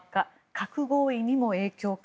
核合意にも影響か。